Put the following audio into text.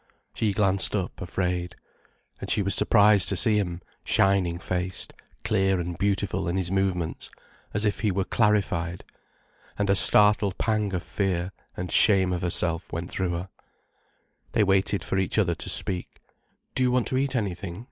She glanced up, afraid. And she was surprised to see him, shining faced, clear and beautiful in his movements, as if he were clarified. And a startled pang of fear, and shame of herself went through her. They waited for each other to speak. "Do you want to eat anything?"